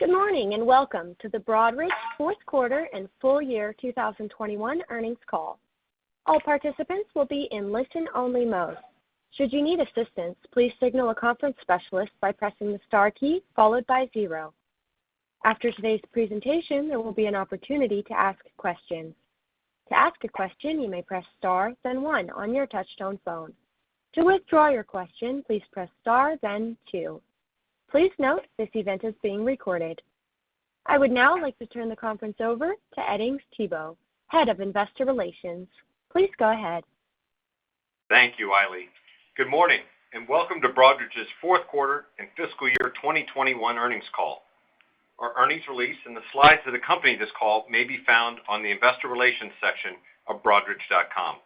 Good morning, and welcome to the Broadridge fourth quarter and full year 2021 earnings call. I would now like to turn the conference over to Edings Thibault, Head of Investor Relations. Please go ahead. Thank you, Eileen. Good morning, and welcome to Broadridge's fourth quarter and fiscal year 2021 earnings call. Our earnings release and the slides that accompany this call may be found on the investor relations section of broadridge.com.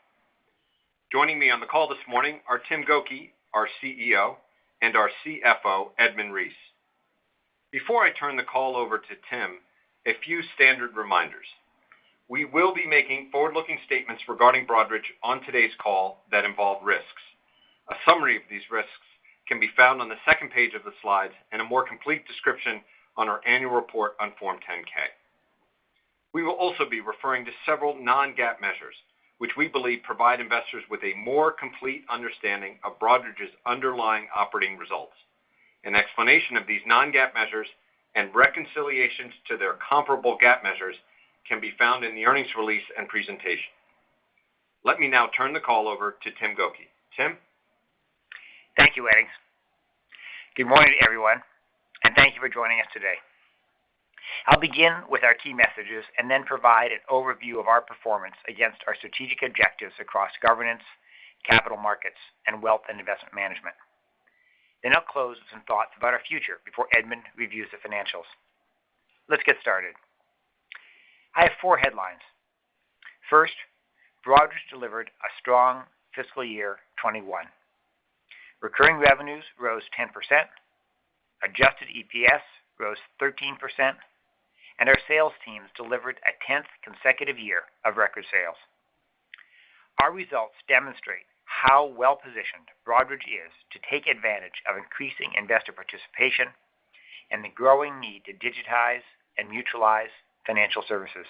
Joining me on the call this morning are Tim Gokey, our CEO, our CFO, Edmund Reese. Before I turn the call over to Tim, a few standard reminders. We will be making forward-looking statements regarding Broadridge on today's call that involve risks. A summary of these risks can be found on the second page of the slides, and a more complete description on our annual report on Form 10-K. We will also be referring to several non-GAAP measures, which we believe provide investors with a more complete understanding of Broadridge's underlying operating results. An explanation of these non-GAAP measures and reconciliations to their comparable GAAP measures can be found in the earnings release and presentation. Let me now turn the call over to Tim Gokey. Tim? Thank you, Edings. Good morning, everyone, and thank you for joining us today. I'll begin with our key messages and then provide an overview of our performance against our strategic objectives across governance, capital markets, and wealth and investment management. I'll close with some thoughts about our future before Edmund reviews the financials. Let's get started. I have four headlines. First, Broadridge delivered a strong fiscal year 2021. Recurring revenues rose 10%, adjusted EPS rose 13%, and our sales teams delivered a 10th consecutive year of record sales. Our results demonstrate how well-positioned Broadridge is to take advantage of increasing investor participation and the growing need to digitize and mutualize financial services.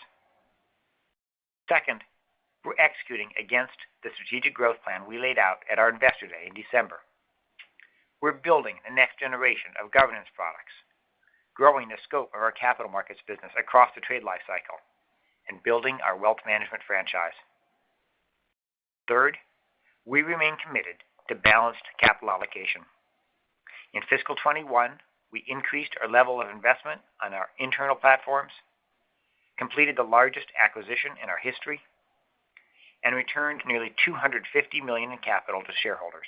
Second, we're executing against the strategic growth plan we laid out at our investor day in December. We're building the next generation of governance products, growing the scope of our capital markets business across the trade life cycle, and building our wealth management franchise. Third, we remain committed to balanced capital allocation. In fiscal 2021, we increased our level of investment on our internal platforms, completed the largest acquisition in our history, and returned nearly $250 million in capital to shareholders.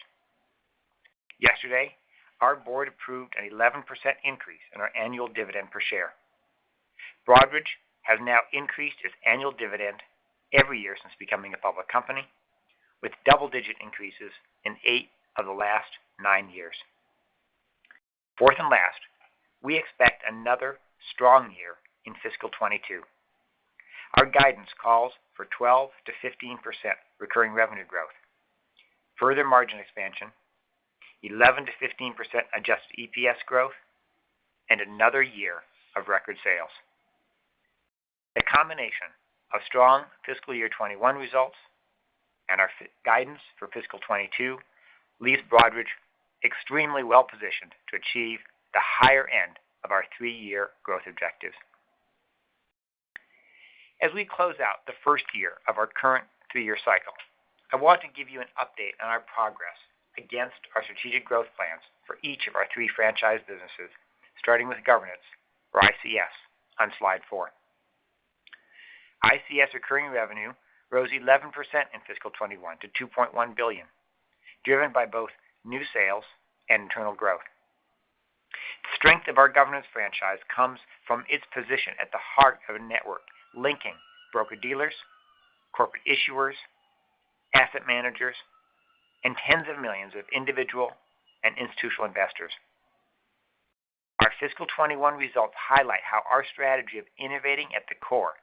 Yesterday, our board approved an 11% increase in our annual dividend per share. Broadridge has now increased its annual dividend every year since becoming a public company, with double-digit increases in eight of the last nine years. Fourth and last, we expect another strong year in fiscal 2022. Our guidance calls for 12%-15% recurring revenue growth, further margin expansion, 11%-15% adjusted EPS growth, and another year of record sales. The combination of strong fiscal year 2021 results and our guidance for fiscal 2022 leaves Broadridge extremely well-positioned to achieve the higher end of our three-year growth objectives. As we close out the first year of our current three-year cycle, I want to give you an update on our progress against our strategic growth plans for each of our three franchise businesses, starting with governance or ICS on Slide four. ICS recurring revenue rose 11% in fiscal 2021 to $2.1 billion, driven by both new sales and internal growth. The strength of our governance franchise comes from its position at the heart of a network linking broker-dealers, corporate issuers, asset managers, and tens of millions of individual and institutional investors. Our fiscal 2021 results highlight how our strategy of innovating at the core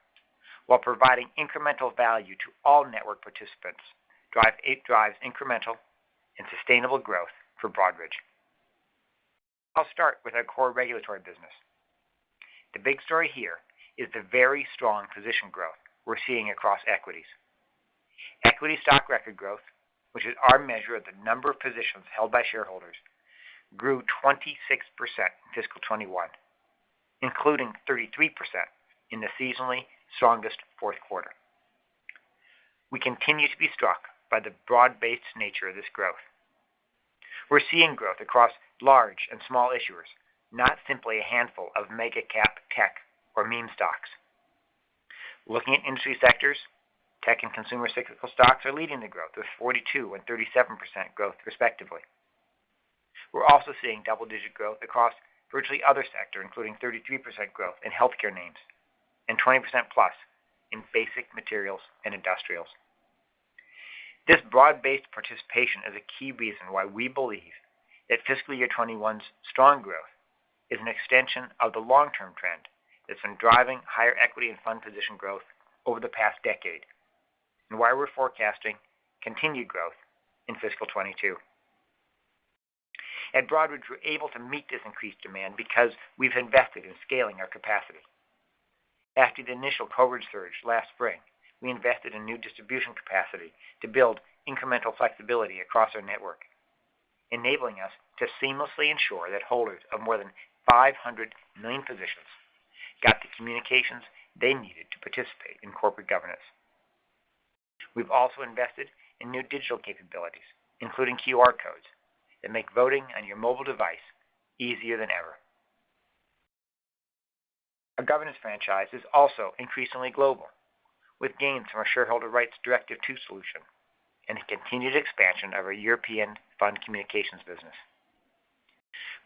while providing incremental value to all network participants drives incremental and sustainable growth for Broadridge. I'll start with our core regulatory business. The big story here is the very strong position growth we're seeing across equities. Equity stock record growth, which is our measure of the number of positions held by shareholders, grew 26% in fiscal 2021, including 33% in the seasonally strongest fourth quarter. We continue to be struck by the broad-based nature of this growth. We're seeing growth across large and small issuers, not simply a handful of mega-cap tech or meme stocks. Looking at industry sectors, tech and consumer cyclical stocks are leading the growth with 42% and 37% growth respectively. We're also seeing double-digit growth across virtually other sector, including 33% growth in healthcare names and 20%+ in basic materials and industrials. This broad-based participation is a key reason why we believe that fiscal year 2021's strong growth is an extension of the long-term trend that's been driving higher equity and fund position growth over the past decade. We're forecasting continued growth in fiscal 2022. At Broadridge, we're able to meet this increased demand because we've invested in scaling our capacity. After the initial COVID surge last spring, we invested in new distribution capacity to build incremental flexibility across our network, enabling us to seamlessly ensure that holders of more than 500 million positions got the communications they needed to participate in corporate governance. We've also invested in new digital capabilities, including QR codes, that make voting on your mobile device easier than ever. Our governance franchise is also increasingly global, with gains from our Shareholder Rights Directive II solution and the continued expansion of our European fund communications business.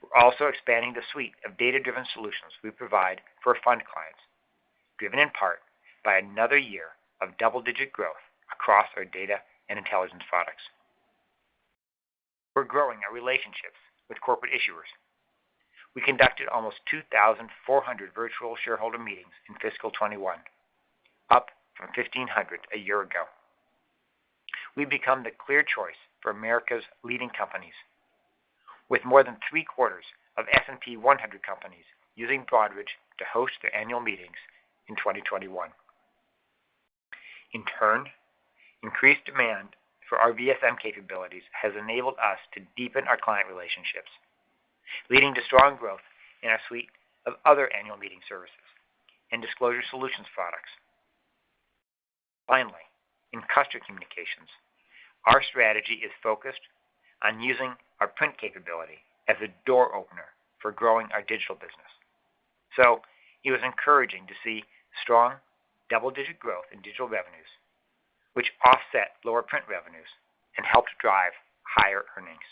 We're also expanding the suite of data-driven solutions we provide for fund clients, driven in part by another year of double-digit growth across our data and intelligence products. We're growing our relationships with corporate issuers. We conducted almost 2,400 virtual shareholder meetings in fiscal 2021, up from 1,500 a year ago. We've become the clear choice for America's leading companies, with more than three-quarters of S&P 100 companies using Broadridge to host their annual meetings in 2021. In turn, increased demand for our VSM capabilities has enabled us to deepen our client relationships, leading to strong growth in our suite of other annual meeting services and disclosure solutions products. Finally, in customer communications, our strategy is focused on using our print capability as a door opener for growing our digital business. It was encouraging to see strong double-digit growth in digital revenues, which offset lower print revenues and helped drive higher earnings.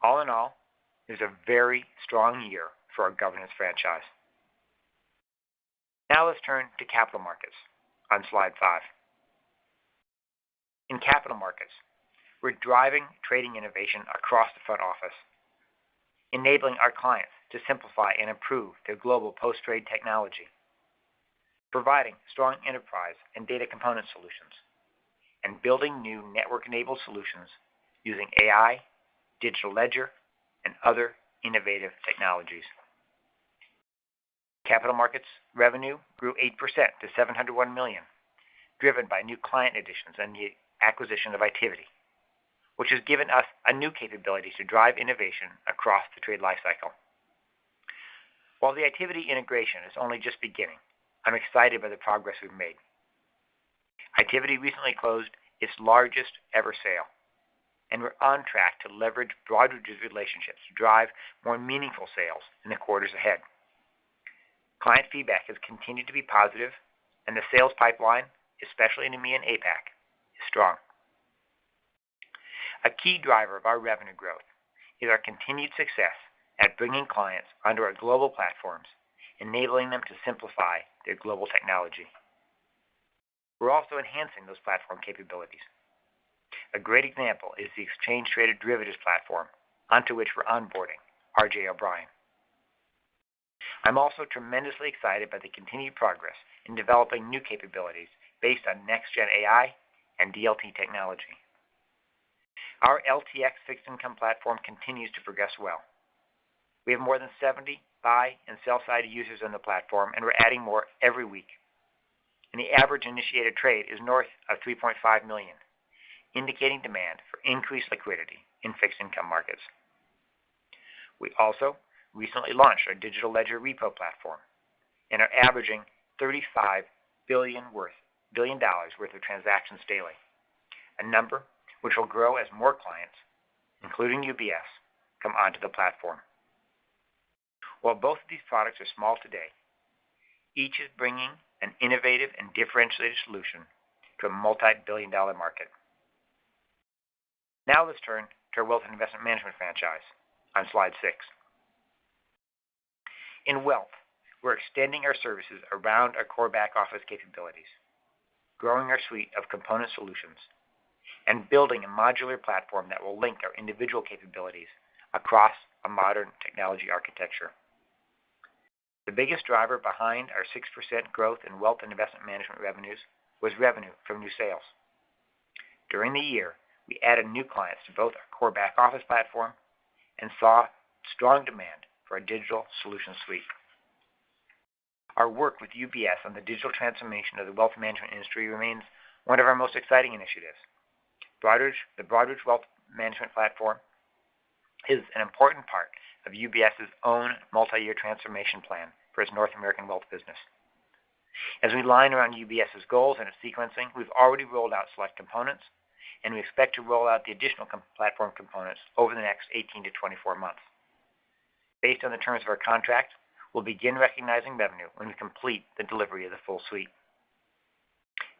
All in all, it was a very strong year for our governance franchise. Let's turn to capital markets on slide five. In capital markets, we're driving trading innovation across the front office, enabling our clients to simplify and improve their global post-trade technology, providing strong enterprise and data component solutions, and building new network-enabled solutions using AI, digital ledger, and other innovative technologies. Capital markets revenue grew 8% to $701 million, driven by new client additions and the acquisition of Itiviti, which has given us a new capability to drive innovation across the trade life cycle. While the Itiviti integration is only just beginning, I'm excited by the progress we've made. Itiviti recently closed its largest-ever sale. We're on track to leverage Broadridge's relationships to drive more meaningful sales in the quarters ahead. Client feedback has continued to be positive. The sales pipeline, especially in EMEA and APAC, is strong. A key driver of our revenue growth is our continued success at bringing clients under our global platforms, enabling them to simplify their global technology. We're also enhancing those platform capabilities. A great example is the exchange-traded derivatives platform, onto which we're onboarding R.J. O'Brien. I'm also tremendously excited by the continued progress in developing new capabilities based on next-gen AI and DLT technology. Our LTX fixed income platform continues to progress well. We have more than 70 buy and sell-side users on the platform. We're adding more every week. The average initiated trade is north of $3.5 million, indicating demand for increased liquidity in fixed income markets. We also recently launched our digital ledger repo platform and are averaging $35 billion worth of transactions daily, a number which will grow as more clients, including UBS, come onto the platform. While both of these products are small today, each is bringing an innovative and differentiated solution to a multi-billion-dollar market. Now let's turn to our wealth and investment management franchise on slide six. In wealth, we're extending our services around our core back-office capabilities, growing our suite of component solutions, and building a modular platform that will link our individual capabilities across a modern technology architecture. The biggest driver behind our 6% growth in wealth and investment management revenues was revenue from new sales. During the year, we added new clients to both our core back-office platform and saw strong demand for our digital solution suite. Our work with UBS on the digital transformation of the wealth management industry remains one of our most exciting initiatives. The Broadridge Wealth Platform is an important part of UBS's own multi-year transformation plan for its North American wealth business. As we align around UBS's goals and sequencing, we've already rolled out select components, and we expect to roll out the additional platform components over the next 18 months-24 months. Based on the terms of our contract, we'll begin recognizing revenue when we complete the delivery of the full suite.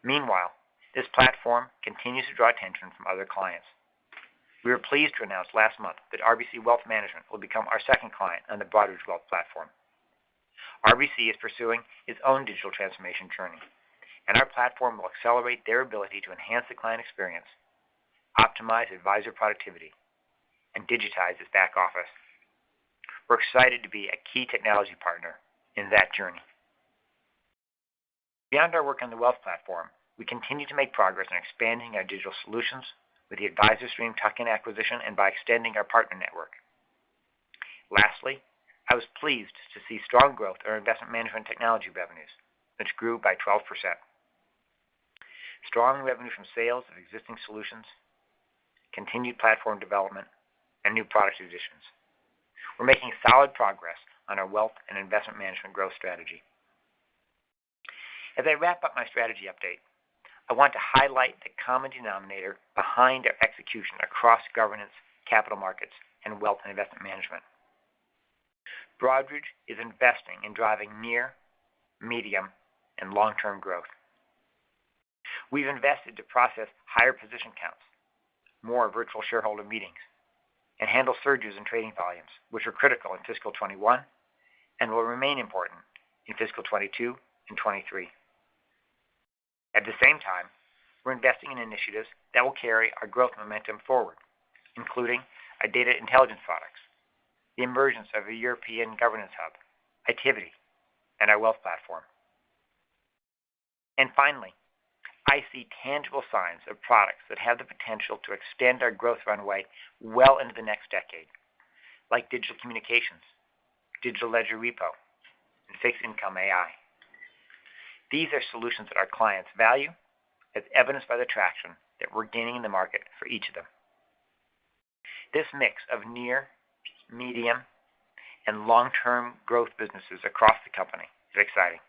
Meanwhile, this platform continues to draw attention from other clients. We were pleased to announce last month that RBC Wealth Management will become our second client on the Broadridge Wealth Platform. RBC is pursuing its own digital transformation journey, and our platform will accelerate their ability to enhance the client experience, optimize advisor productivity, and digitize its back office. We're excited to be a key technology partner in that journey. Beyond our work on the wealth platform, we continue to make progress on expanding our digital solutions with the AdvisorStream tuck-in acquisition and by extending our partner network. Lastly, I was pleased to see strong growth in our investment management technology revenues, which grew by 12%. Strong revenue from sales of existing solutions, continued platform development, and new product additions. We're making solid progress on our wealth and investment management growth strategy. As I wrap up my strategy update, I want to highlight the common denominator behind our execution across governance, capital markets, and wealth and investment management. Broadridge is investing in driving near, medium, and long-term growth. We've invested to process higher position counts, more virtual shareholder meetings, and handle surges in trading volumes, which were critical in fiscal 2021 and will remain important in fiscal 2022 and 2023. At the same time, we're investing in initiatives that will carry our growth momentum forward, including our data intelligence products, the emergence of a European governance hub, Itiviti, and our Broadridge Wealth Platform. Finally, I see tangible signs of products that have the potential to extend our growth runway well into the next decade, like digital communications, digital ledger repo, and fixed-income AI. These are solutions that our clients value, as evidenced by the traction that we're gaining in the market for each of them. This mix of near, medium, and long-term growth businesses across the company is exciting.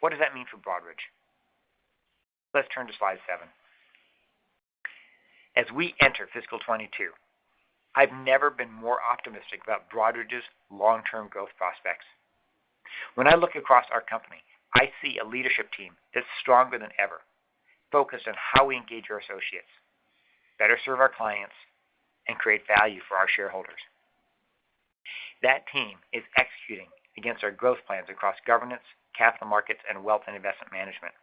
What does that mean for Broadridge? Let's turn to slide seven. As we enter fiscal 2022, I've never been more optimistic about Broadridge's long-term growth prospects. When I look across our company, I see a leadership team that's stronger than ever, focused on how we engage our associates, better serve our clients, and create value for our shareholders. That team is executing against our growth plans across governance, capital markets, and wealth and investment management.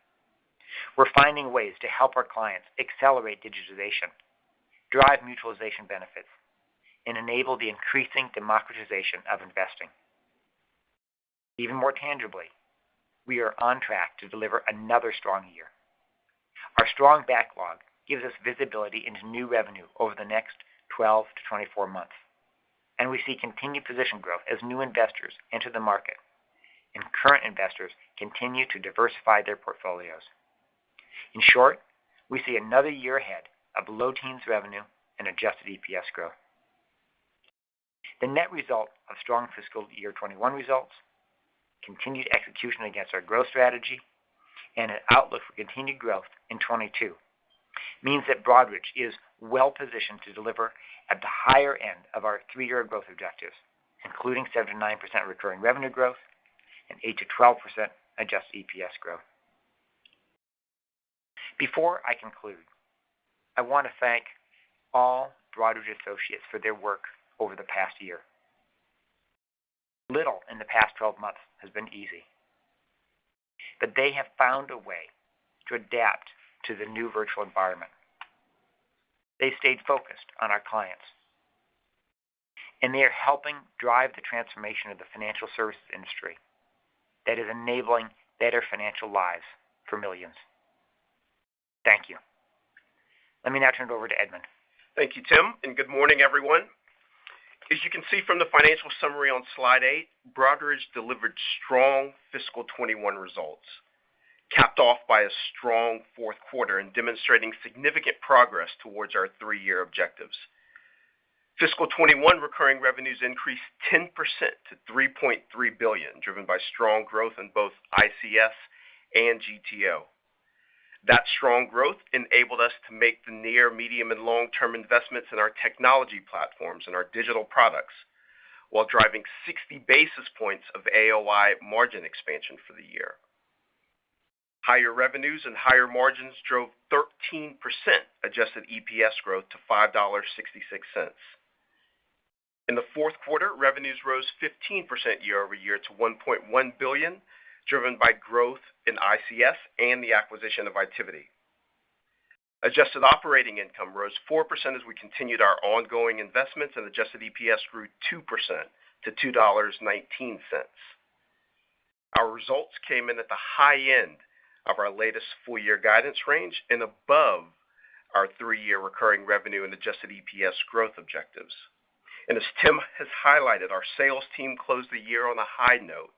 We're finding ways to help our clients accelerate digitization, drive mutualization benefits, and enable the increasing democratization of investing. Even more tangibly, we are on track to deliver another strong year. Our strong backlog gives us visibility into new revenue over the next 12 months-24 months, and we see continued position growth as new investors enter the market and current investors continue to diversify their portfolios. In short, we see another year ahead of low teens revenue and adjusted EPS growth. The net result of strong fiscal year 2021 results, continued execution against our growth strategy, and an outlook for continued growth in 2022 means that Broadridge is well-positioned to deliver at the higher end of our three-year growth objectives, including 7%-9% recurring revenue growth and 8%-12% adjusted EPS growth. Before I conclude, I want to thank all Broadridge associates for their work over the past year. Little in the past 12 months has been easy, they have found a way to adapt to the new virtual environment. They stayed focused on our clients, they are helping drive the transformation of the financial services industry that is enabling better financial lives for millions. Thank you. Let me now turn it over to Edmund. Thank you, Tim, and good morning, everyone. As you can see from the financial summary on slide eight, Broadridge delivered strong fiscal 2021 results, capped off by a strong fourth quarter and demonstrating significant progress towards our three-year objectives. Fiscal 2021 recurring revenues increased 10% to $3.3 billion, driven by strong growth in both ICS and GTO. That strong growth enabled us to make the near, medium, and long-term investments in our technology platforms and our digital products while driving 60 basis points of AOI margin expansion for the year. Higher revenues and higher margins drove 13% adjusted EPS growth to $5.66. In the fourth quarter, revenues rose 15% year-over-year to $1.1 billion, driven by growth in ICS and the acquisition of Itiviti. Adjusted operating income rose 4% as we continued our ongoing investments, and adjusted EPS grew 2% to $2.19. Our results came in at the high end of our latest full-year guidance range and above our three-year recurring revenue and adjusted EPS growth objectives. As Tim has highlighted, our sales team closed the year on a high note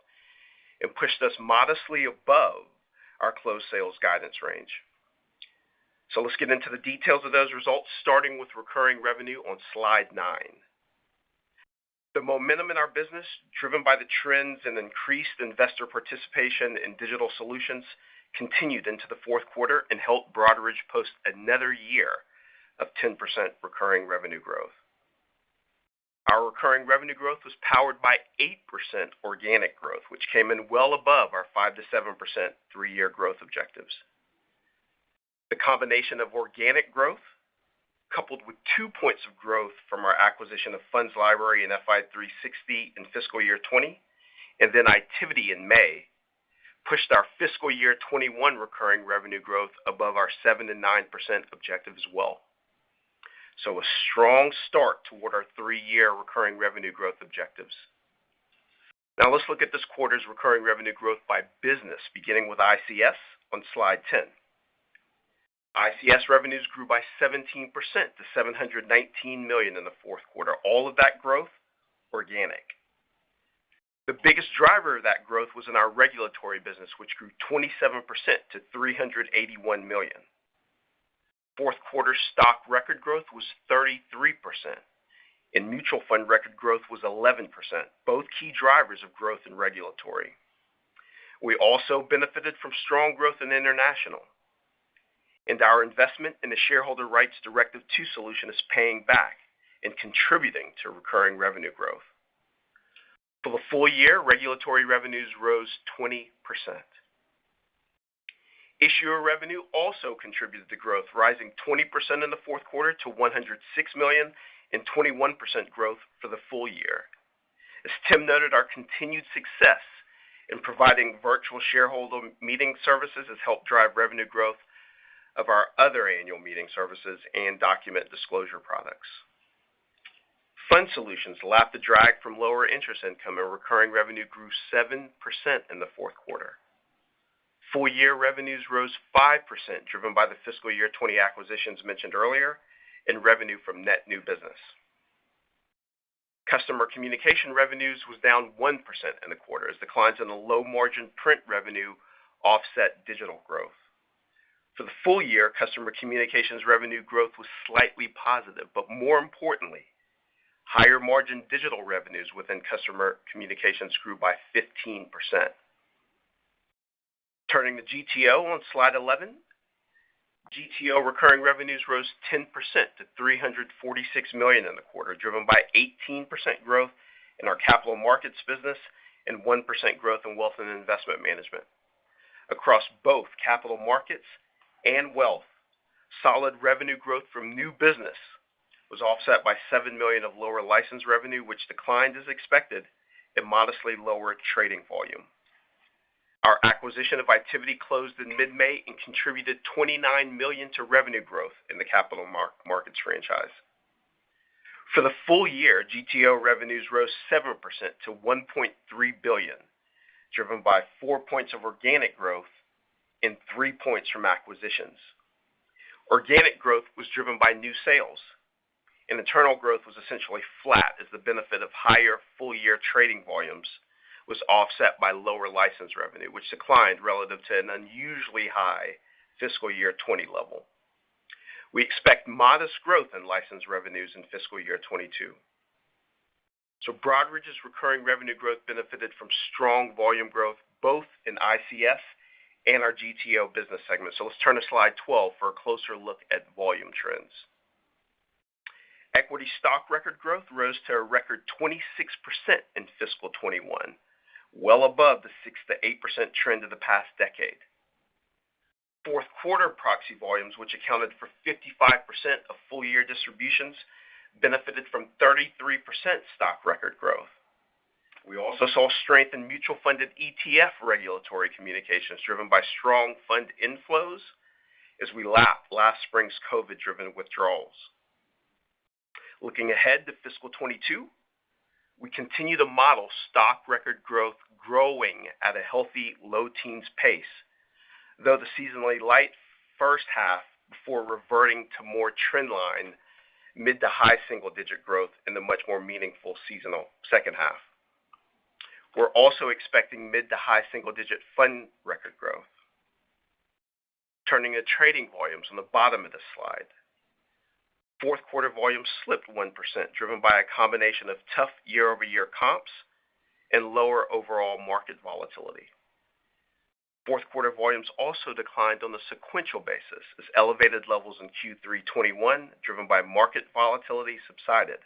and pushed us modestly above our closed sales guidance range. Let's get into the details of those results, starting with recurring revenue on slide nine. The momentum in our business, driven by the trends and increased investor participation in digital solutions, continued into the fourth quarter and helped Broadridge post another year of 10% recurring revenue growth. Our recurring revenue growth was powered by 8% organic growth, which came in well above our 5%-7% three-year growth objectives. The combination of organic growth, coupled with 2 points of growth from our acquisition of FundsLibrary and Fi360 in FY 2020, and then Itiviti in May pushed our FY 2021 recurring revenue growth above our 7%-9% objective as well. A strong start toward our three-year recurring revenue growth objectives. Let's look at this quarter's recurring revenue growth by business, beginning with ICS on slide 10. ICS revenues grew by 17% to $719 million in the fourth quarter, all of that growth organic. The biggest driver of that growth was in our regulatory business, which grew 27% to $381 million. Fourth quarter stock record growth was 33%, and mutual fund record growth was 11%, both key drivers of growth in regulatory. We also benefited from strong growth in international, and our investment in the Shareholder Rights Directive II solution is paying back and contributing to recurring revenue growth. For the full year, regulatory revenues rose 20%. Issuer revenue also contributed to growth, rising 20% in the fourth quarter to $106 million and 21% growth for the full year. As Tim noted, our continued success in providing virtual shareholder meeting services has helped drive revenue growth of our other annual meeting services and document disclosure products. Fund solutions lapped the drag from lower interest income, and recurring revenue grew 7% in the fourth quarter. Full year revenues rose 5%, driven by the fiscal year 2020 acquisitions mentioned earlier and revenue from net new business. Customer communication revenues was down 1% in the quarter as declines in the low-margin print revenue offset digital growth. For the full year, customer communications revenue growth was slightly positive, but more importantly, higher margin digital revenues within customer communications grew by 15%. Turning to GTO on slide 11. GTO recurring revenues rose 10% to $346 million in the quarter, driven by 18% growth in our capital markets business and 1% growth in wealth and investment management. Across both capital markets and wealth, solid revenue growth from new business was offset by $7 million of lower license revenue, which declined as expected and modestly lower trading volume. Our acquisition of Itiviti closed in mid-May and contributed $29 million to revenue growth in the capital markets franchise. For the full year, GTO revenues rose 7% to $1.3 billion, driven by 4 points of organic growth and 3 points from acquisitions. Organic growth was driven by new sales, internal growth was essentially flat as the benefit of higher full-year trading volumes was offset by lower license revenue, which declined relative to an unusually high fiscal year 2020 level. We expect modest growth in license revenues in fiscal year 2022. Broadridge's recurring revenue growth benefited from strong volume growth both in ICS and our GTO business segment. Let's turn to slide 12 for a closer look at volume trends. Equity stock record growth rose to a record 26% in fiscal 2021, well above the 6%-8% trend of the past decade. Fourth quarter proxy volumes, which accounted for 55% of full-year distributions, benefited from 33% stock record growth. We also saw strength in mutual fund and ETF regulatory communications driven by strong fund inflows as we lap last spring's COVID-driven withdrawals. Looking ahead to fiscal 2022, we continue to model stock record growth growing at a healthy low-teens pace, though the seasonally light first half before reverting to more trend line mid-to-high single-digit growth in the much more meaningful seasonal second half. We're also expecting mid-to-high single-digit fund record growth. Turning to trading volumes on the bottom of this slide. Fourth quarter volumes slipped 1%, driven by a combination of tough year-over-year comps and lower overall market volatility. Fourth quarter volumes also declined on a sequential basis as elevated levels in Q3 2021, driven by market volatility, subsided.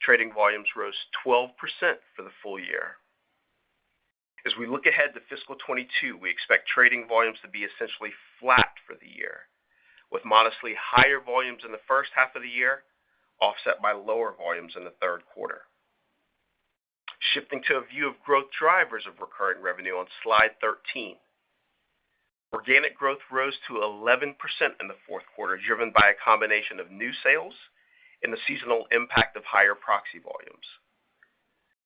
Trading volumes rose 12% for the full year. As we look ahead to fiscal 2022, we expect trading volumes to be essentially flat for the year, with modestly higher volumes in the first half of the year offset by lower volumes in the third quarter. Shifting to a view of growth drivers of recurring revenue on slide 13. Organic growth rose to 11% in the fourth quarter, driven by a combination of new sales and the seasonal impact of higher proxy volumes.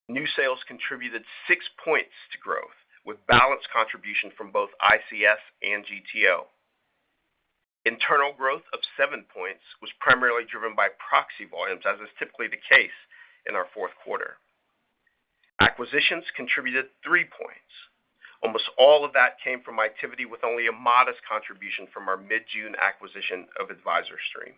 New sales contributed 6 points to growth with balanced contribution from both ICS and GTO. Internal growth of 7 points was primarily driven by proxy volumes, as is typically the case in our fourth quarter. Acquisitions contributed 3 points. Almost all of that came from Itiviti with only a modest contribution from our mid-June acquisition of AdvisorStream.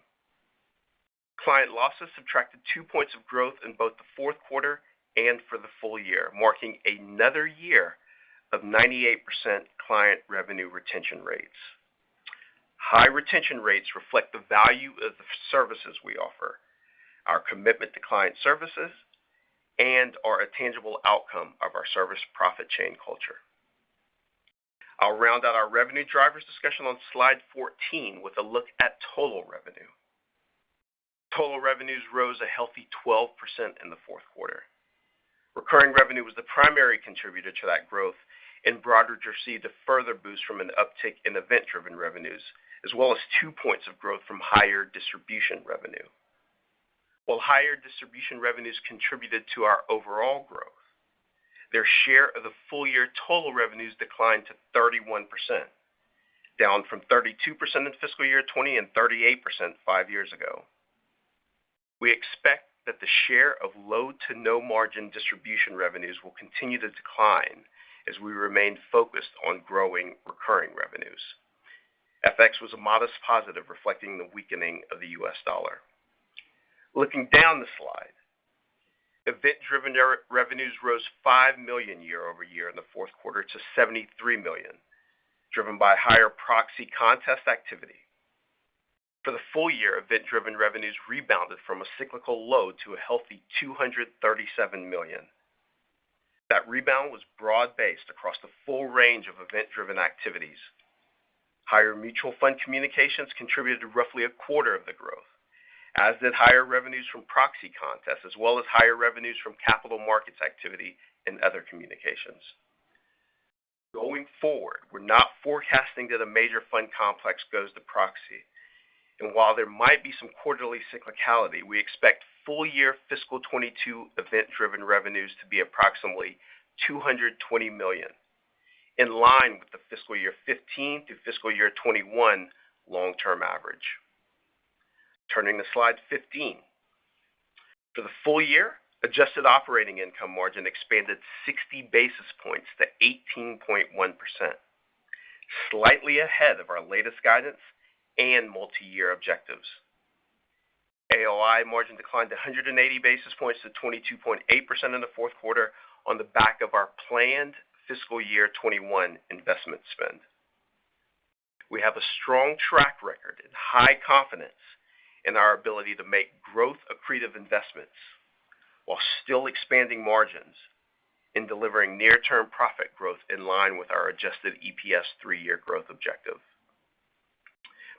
Client losses subtracted 2 points of growth in both the fourth quarter and for the full year, marking another year of 98% client revenue retention rates. High retention rates reflect the value of the services we offer, our commitment to client services, and are a tangible outcome of our service profit chain culture. I'll round out our revenue drivers discussion on slide 14 with a look at total revenue. Total revenues rose a healthy 12% in the fourth quarter. Recurring revenue was the primary contributor to that growth, Broadridge received a further boost from an uptick in event-driven revenues, as well as 2 points of growth from higher distribution revenue. While higher distribution revenues contributed to our overall growth, their share of the full-year total revenues declined to 31%, down from 32% in fiscal year 2020 and 38% five years ago. We expect that the share of low to no margin distribution revenues will continue to decline as we remain focused on growing recurring revenues. FX was a modest positive, reflecting the weakening of the U.S. dollar. Looking down the slide, event-driven revenues rose $5 million year-over-year in the fourth quarter to $73 million, driven by higher proxy contest activity. For the full year, event-driven revenues rebounded from a cyclical low to a healthy $237 million. That rebound was broad-based across the full range of event-driven activities. Higher mutual fund communications contributed to roughly a quarter of the growth, as did higher revenues from proxy contests, as well as higher revenues from capital markets activity and other communications. Going forward, we're not forecasting that a major fund complex goes to proxy. While there might be some quarterly cyclicality, we expect full year fiscal 2022 event-driven revenues to be approximately $220 million, in line with the fiscal year 2015 through fiscal year 2021 long-term average. Turning to slide 15. For the full year, adjusted operating income margin expanded 60 basis points to 18.1%, slightly ahead of our latest guidance and multi-year objectives. AOI margin declined 180 basis points to 22.8% in the fourth quarter on the back of our planned fiscal year 2021 investment spend. We have a strong track record and high confidence in our ability to make growth accretive investments while still expanding margins and delivering near-term profit growth in line with our adjusted EPS three-year growth objective.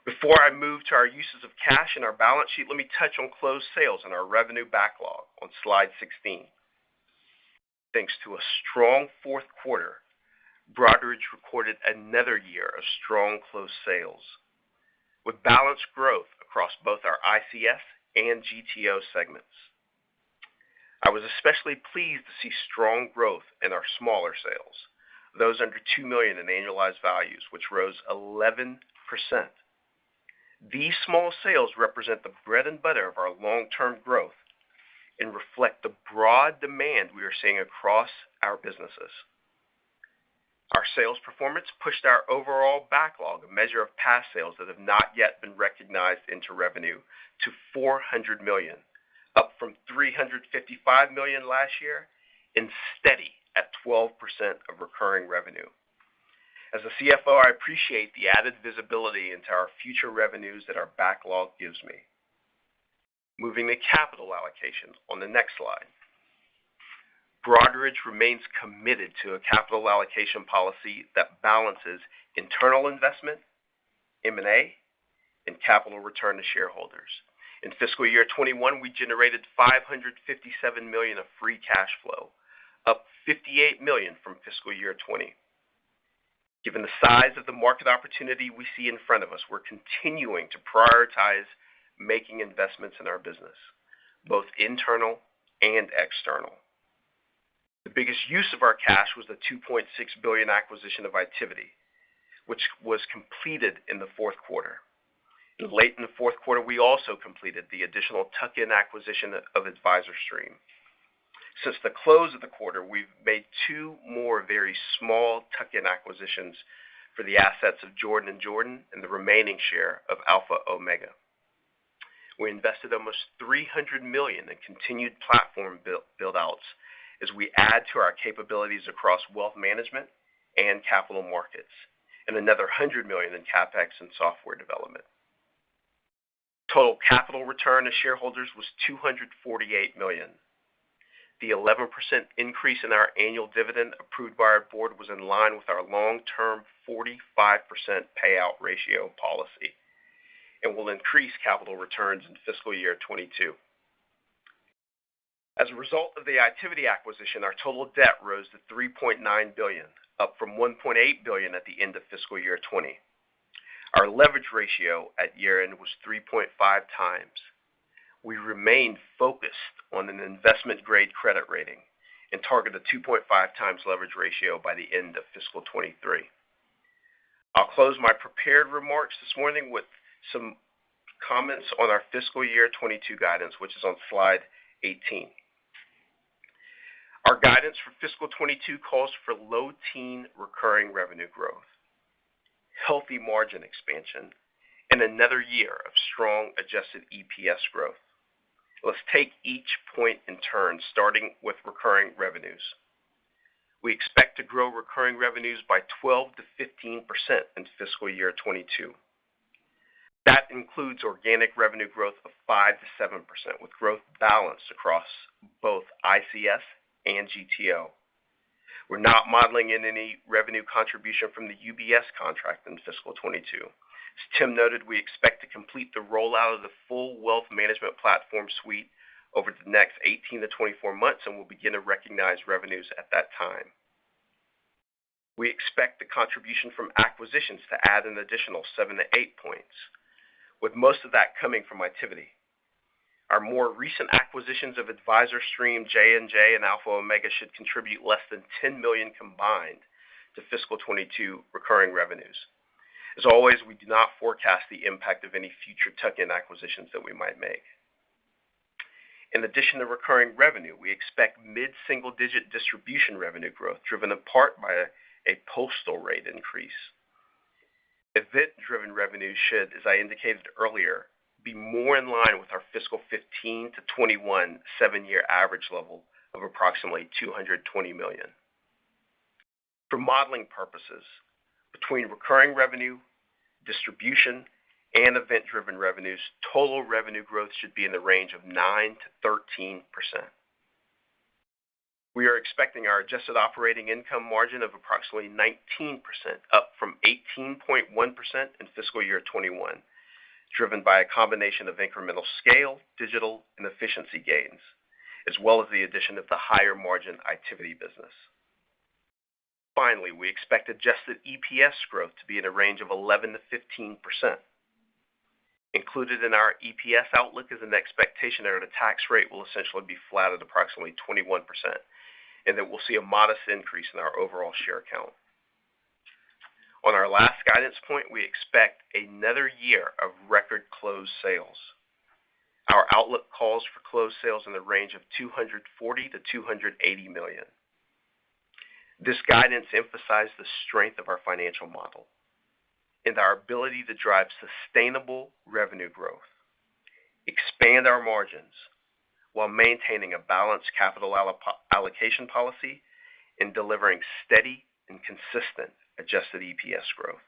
Before I move to our uses of cash and our balance sheet, let me touch on closed sales and our revenue backlog on Slide 16. Thanks to a strong fourth quarter, Broadridge recorded another year of strong closed sales with balanced growth across both our ICS and GTO segments. I was especially pleased to see strong growth in our smaller sales, those under $2 million in annualized values, which rose 11%. These small sales represent the bread and butter of our long-term growth and reflect the broad demand we are seeing across our businesses. Our sales performance pushed our overall backlog, a measure of past sales that have not yet been recognized into revenue, to $400 million, up from $355 million last year and steady at 12% of recurring revenue. As a CFO, I appreciate the added visibility into our future revenues that our backlog gives me. Moving to capital allocations on the next slide. Broadridge remains committed to a capital allocation policy that balances internal investment, M&A, and capital return to shareholders. In fiscal year 2021, we generated $557 million of free cash flow, up $58 million from fiscal year 2020. Given the size of the market opportunity we see in front of us, we're continuing to prioritize making investments in our business, both internal and external. The biggest use of our cash was the $2.6 billion acquisition of Itiviti, which was completed in the fourth quarter. Late in the fourth quarter, we also completed the additional tuck-in acquisition of AdvisorStream. Since the close of the quarter, we've made two more very small tuck-in acquisitions for the assets of Jordan & Jordan and the remaining share of Alpha Omega. We invested almost $300 million in continued platform build-outs as we add to our capabilities across wealth management and capital markets, and another $100 million in CapEx and software development. Total capital return to shareholders was $248 million. The 11% increase in our annual dividend approved by our board was in line with our long-term 45% payout ratio policy and will increase capital returns in fiscal year 2022. As a result of the Itiviti acquisition, our total debt rose to $3.9 billion, up from $1.8 billion at the end of fiscal year 2020. Our leverage ratio at year-end was 3.5x. We remain focused on an investment-grade credit rating and target a 2.5x leverage ratio by the end of fiscal 2023. I'll close my prepared remarks this morning with some comments on our fiscal year 2022 guidance, which is on slide 18. Our guidance for fiscal 2022 calls for low teen recurring revenue growth, healthy margin expansion, and another year of strong adjusted EPS growth. Let's take each point in turn, starting with recurring revenues. We expect to grow recurring revenues by 12%-15% in fiscal year 2022. That includes organic revenue growth of 5%-7%, with growth balanced across both ICS and GTO. We're not modeling in any revenue contribution from the UBS contract in fiscal 2022. As Tim noted, we expect to complete the rollout of the full wealth management platform suite over the next 18-24 months, and we'll begin to recognize revenues at that time. We expect the contribution from acquisitions to add an additional 7 points-8 points. With most of that coming from Itiviti. Our more recent acquisitions of AdvisorStream, J&J, and Alpha Omega should contribute less than $10 million combined to fiscal 2022 recurring revenues. As always, we do not forecast the impact of any future tuck-in acquisitions that we might make. In addition to recurring revenue, we expect mid-single-digit distribution revenue growth driven in part by a postal rate increase. Event-driven revenue should, as I indicated earlier, be more in line with our fiscal 2015 to 2021 7-year average level of approximately $220 million. For modeling purposes, between recurring revenue, distribution, and event-driven revenues, total revenue growth should be in the range of 9%-13%. We are expecting our adjusted operating income margin of approximately 19%, up from 18.1% in fiscal year 2021, driven by a combination of incremental scale, digital, and efficiency gains, as well as the addition of the higher margin Itiviti business. Finally, we expect adjusted EPS growth to be in a range of 11%-15%. Included in our EPS outlook is an expectation that our tax rate will essentially be flat at approximately 21%, and that we'll see a modest increase in our overall share count. On our last guidance point, we expect another year of record closed sales. Our outlook calls for closed sales in the range of $240 million-$280 million. This guidance emphasize the strength of our financial model and our ability to drive sustainable revenue growth, expand our margins while maintaining a balanced capital allocation policy, and delivering steady and consistent adjusted EPS growth.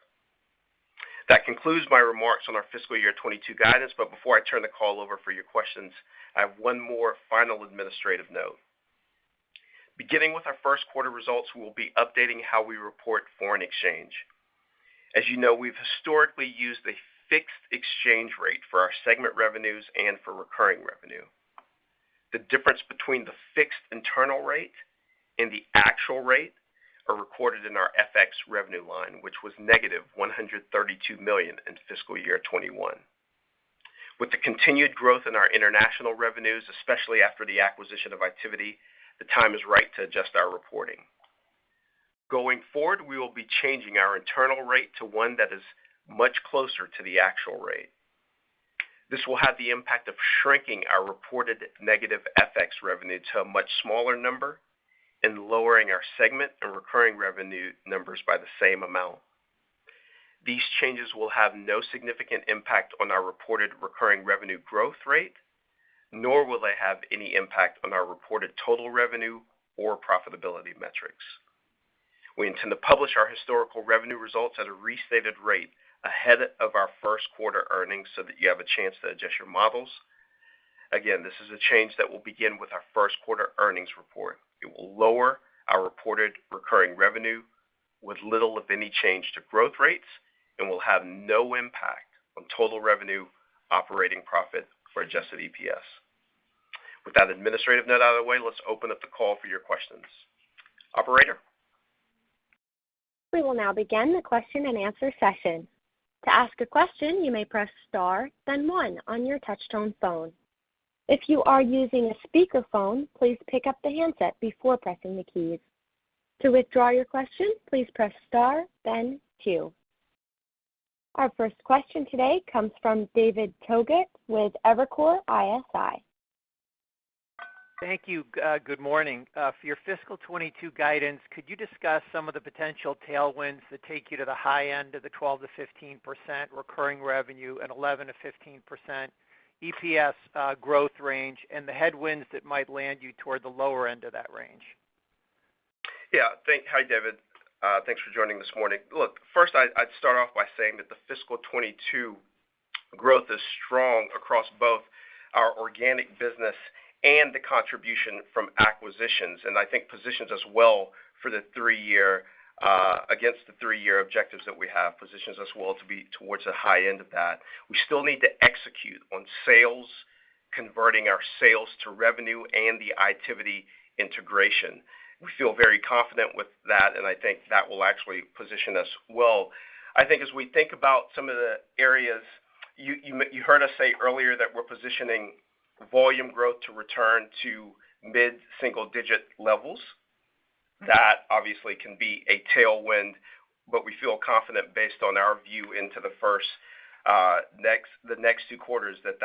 That concludes my remarks on our fiscal year 2022 guidance, but before I turn the call over for your questions, I have one more final administrative note. Beginning with our first quarter results, we will be updating how we report foreign exchange. As you know, we've historically used a fixed exchange rate for our segment revenues and for recurring revenue. The difference between the fixed internal rate and the actual rate are recorded in our FX revenue line, which was -$132 million in fiscal year 2021. With the continued growth in our international revenues, especially after the acquisition of Itiviti, the time is right to adjust our reporting. Going forward, we will be changing our internal rate to one that is much closer to the actual rate. This will have the impact of shrinking our reported negative FX revenue to a much smaller number and lowering our segment and recurring revenue numbers by the same amount. These changes will have no significant impact on our reported recurring revenue growth rate, nor will they have any impact on our reported total revenue or profitability metrics. We intend to publish our historical revenue results at a restated rate ahead of our first quarter earnings so that you have a chance to adjust your models. Again, this is a change that will begin with our first quarter earnings report. It will lower our reported recurring revenue with little, if any, change to growth rates and will have no impact on total revenue operating profit for adjusted EPS. With that administrative note out of the way, let's open up the call for your questions. Operator? We will now begin the question and answer session. Our first question today comes from David Togut with Evercore ISI. Thank you. Good morning. For your fiscal 2022 guidance, could you discuss some of the potential tailwinds that take you to the high end of the 12%-15% recurring revenue and 11%-15% EPS growth range, and the headwinds that might land you toward the lower end of that range? Hi, David. Thanks for joining this morning. First, I'd start off by saying that the fiscal 2022 growth is strong across both our organic business and the contribution from acquisitions, and I think positions us well against the three-year objectives that we have, positions us well to be towards the high end of that. We still need to execute on sales, converting our sales to revenue, and the Itiviti integration. We feel very confident with that, and I think that will actually position us well. I think as we think about some of the areas, you heard us say earlier that we're positioning volume growth to return to mid-single digit levels. That obviously can be a tailwind, but we feel confident based on our view into the next two quarters that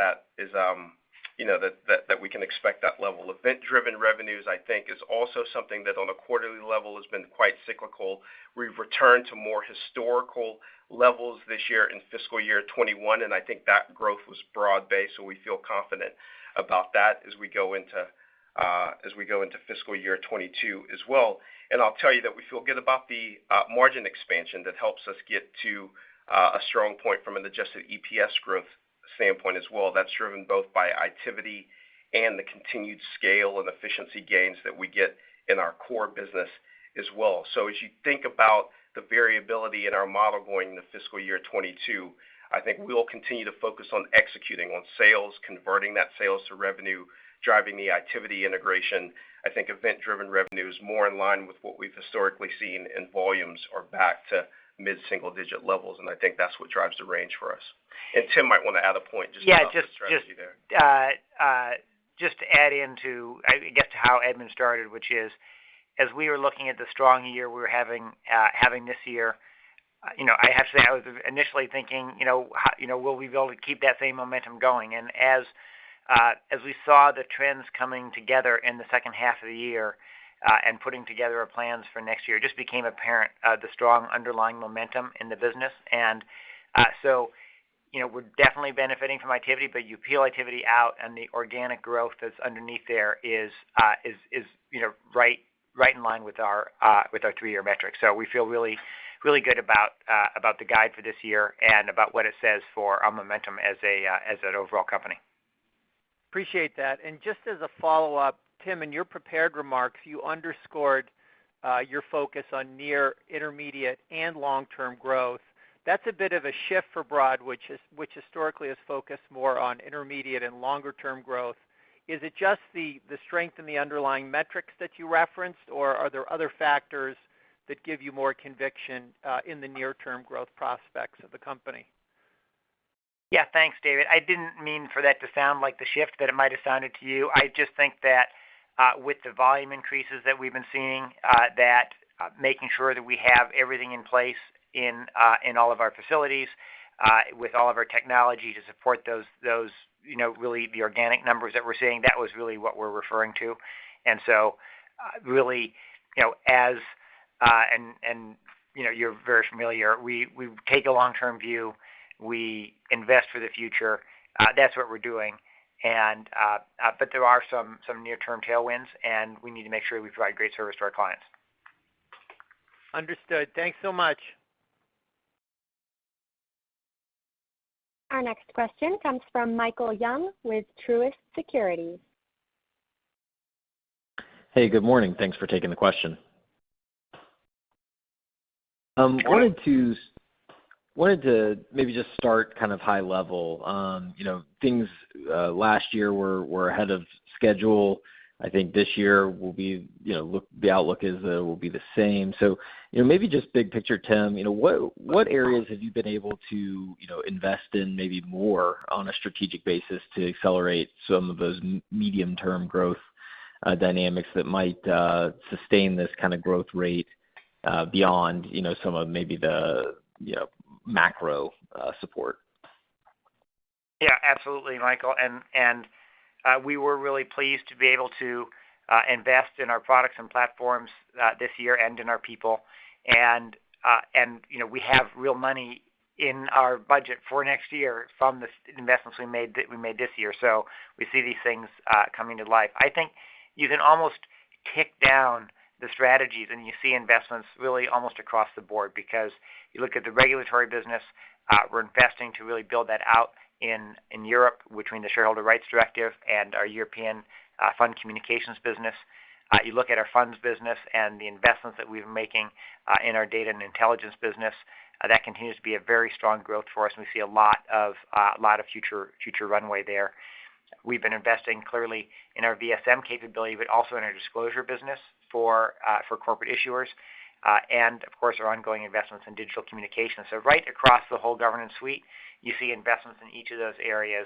we can expect that level. Event-driven revenues, I think, is also something that on a quarterly level has been quite cyclical. We've returned to more historical levels this year in fiscal year 2021, and I think that growth was broad-based, so we feel confident about that as we go into fiscal year 2022 as well. I'll tell you that we feel good about the margin expansion that helps us get to a strong point from an adjusted EPS growth standpoint as well. That's driven both by Itiviti and the continued scale and efficiency gains that we get in our core business as well. As you think about the variability in our model going into fiscal year 2022, I think we'll continue to focus on executing on sales, converting that sales to revenue, driving the Itiviti integration. I think event-driven revenue is more in line with what we've historically seen in volumes are back to mid-single digit levels, and I think that's what drives the range for us. Tim might want to add a point just about the strategy there. Yeah, just to add into, I guess how Edmund started, which is, as we were looking at the strong year we were having this year, I have to say, I was initially thinking, will we be able to keep that same momentum going? As we saw the trends coming together in the second half of the year, and putting together our plans for next year, it just became apparent the strong underlying momentum in the business. We're definitely benefiting from Itiviti, but you peel Itiviti out and the organic growth that's underneath there is right in line with our three-year metrics. We feel really good about the guide for this year and about what it says for our momentum as an overall company. Appreciate that. Just as a follow-up, Tim, in your prepared remarks, you underscored your focus on near, intermediate, and long-term growth. That's a bit of a shift for Broadridge, which historically has focused more on intermediate and longer-term growth. Is it just the strength in the underlying metrics that you referenced, or are there other factors that give you more conviction in the near-term growth prospects of the company? Thanks, David. I didn't mean for that to sound like the shift that it might've sounded to you. I just think that with the volume increases that we've been seeing, that making sure that we have everything in place in all of our facilities, with all of our technology to support those, really the organic numbers that we're seeing, that was really what we're referring to. Really, you're very familiar, we take a long-term view. We invest for the future. That's what we're doing. There are some near-term tailwinds, and we need to make sure we provide great service to our clients. Understood. Thanks so much. Our next question comes from Michael Young with Truist Securities. Hey, good morning. Thanks for taking the question. Sure. Wanted to maybe just start kind of high-level on things last year were ahead of schedule. I think this year the outlook is will be the same. Maybe just big picture, Tim, what areas have you been able to invest in maybe more on a strategic basis to accelerate some of those medium-term growth dynamics that might sustain this kind of growth rate beyond some of maybe the macro support? Yeah, absolutely, Michael. We were really pleased to be able to invest in our products and platforms this year, and in our people. We have real money in our budget for next year from the investments we made this year. We see these things coming to life. I think you can almost tick down the strategies, and you see investments really almost across the board because you look at the regulatory business, we're investing to really build that out in Europe between the Shareholder Rights Directive and our European fund communications business. You look at our funds business and the investments that we've been making in our data and intelligence business, that continues to be a very strong growth for us, and we see a lot of future runway there. We've been investing clearly in our VSM capability, but also in our disclosure business for corporate issuers. Of course, our ongoing investments in digital communications. Right across the whole governance suite, you see investments in each of those areas.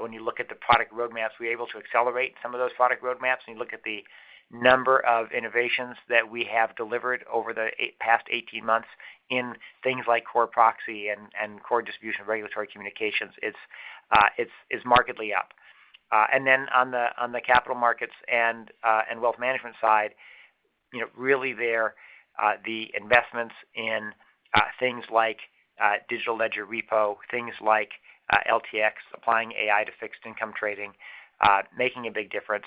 When you look at the product roadmaps, we're able to accelerate some of those product roadmaps, and you look at the number of innovations that we have delivered over the past 18 months in things like core proxy and core distribution regulatory communications, it's markedly up. Then on the capital markets and wealth management side, really there the investments in things like digital ledger repo, things like LTX, applying AI to fixed income trading, making a big difference.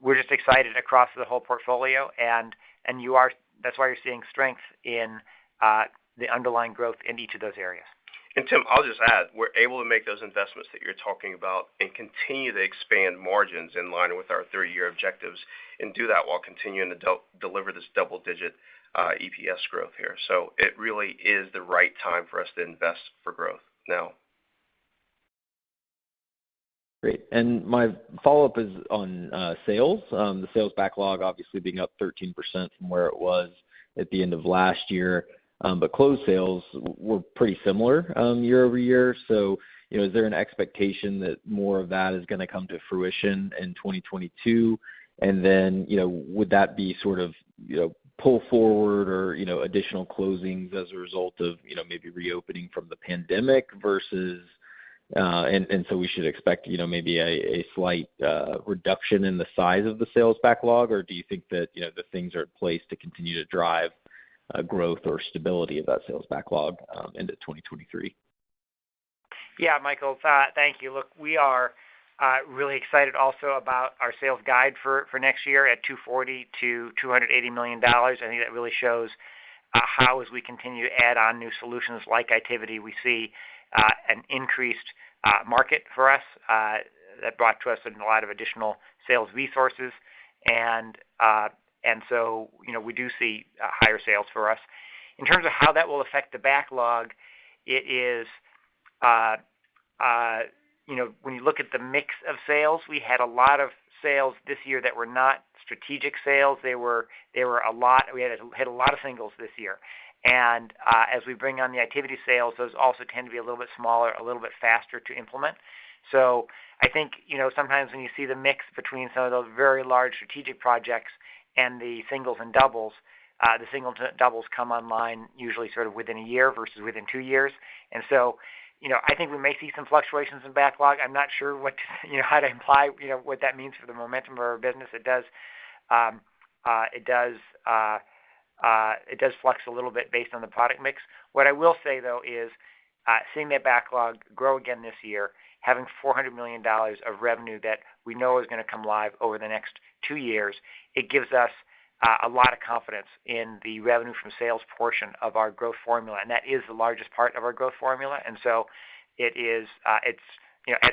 We're just excited across the whole portfolio, and that's why you're seeing strength in the underlying growth in each of those areas. Tim, I'll just add, we're able to make those investments that you're talking about and continue to expand margins in line with our three-year objectives, and do that while continuing to deliver this double-digit EPS growth here. It really is the right time for us to invest for growth now. Great. My follow-up is on sales. The sales backlog obviously being up 13% from where it was at the end of last year. Closed sales were pretty similar year-over-year. Is there an expectation that more of that is going to come to fruition in 2022? Would that be sort of pull forward or additional closings as a result of maybe reopening from the pandemic versus, and so we should expect maybe a slight reduction in the size of the sales backlog, or do you think that the things are in place to continue to drive growth or stability of that sales backlog into 2023? Yeah, Michael, thank you. Look, we are really excited also about our sales guide for next year at $240 million-$280 million. I think that really shows how as we continue to add on new solutions like Itiviti, we see an increased market for us that brought to us a lot of additional sales resources. We do see higher sales for us. In terms of how that will affect the backlog, when you look at the mix of sales, we had a lot of sales this year that were not strategic sales. We had a lot of singles this year. As we bring on the Itiviti sales, those also tend to be a little bit smaller, a little bit faster to implement. I think, sometimes when you see the mix between some of those very large strategic projects and the singles and doubles, the singles and doubles come online usually sort of within a year versus within two years. I think we may see some fluctuations in backlog. I'm not sure how to imply what that means for the momentum of our business. It does flux a little bit based on the product mix. What I will say, though, is seeing that backlog grow again this year, having $400 million of revenue that we know is going to come live over the next two years, it gives us a lot of confidence in the revenue from sales portion of our growth formula. That is the largest part of our growth formula. As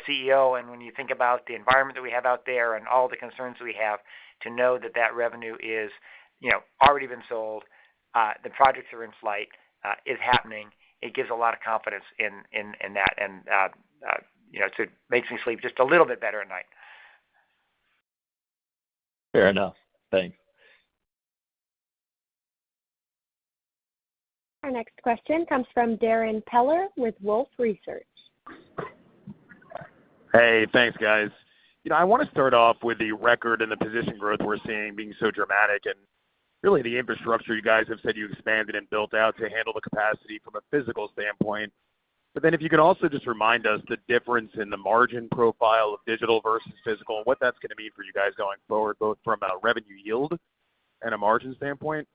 CEO, when you think about the environment that we have out there and all the concerns we have to know that revenue is already been sold, the projects are in flight, is happening, it gives a lot of confidence in that, and it makes me sleep just a little bit better at night. Fair enough. Thanks. Our next question comes from Darrin Peller with Wolfe Research. Thanks guys. I want to start off with the record and the position growth we're seeing being so dramatic, and really the infrastructure you guys have said you've expanded and built out to handle the capacity from a physical standpoint. If you could also just remind us the difference in the margin profile of digital versus physical and what that's going to mean for you guys going forward, both from a revenue yield and a margin standpoint.